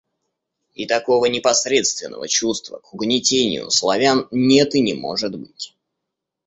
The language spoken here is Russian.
И такого непосредственного чувства к угнетению Славян нет и не может быть.